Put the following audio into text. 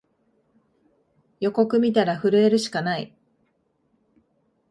予告みたら震えるしかない